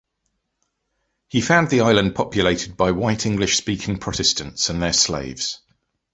He found the island populated by white English-speaking Protestants and their slaves.